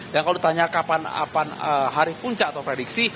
dan kalau ditanya kapan hari puncak atau prediksi